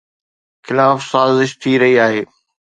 خلاف سازش ٿي رهي آهي